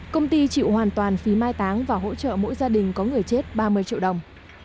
công ty chịu hoàn toàn phí mai táng và hỗ trợ mỗi gia đình có người chết ba mươi triệu đồng